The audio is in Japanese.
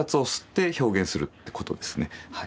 はい。